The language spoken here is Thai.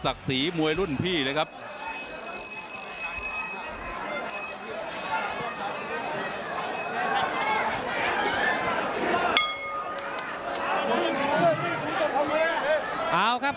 ศักดิ์สีมวยรุ่นพี่เลยครับ